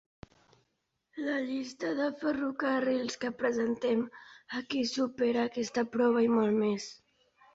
La llista de ferrocarrils que presentem aquí supera aquesta prova i molt més.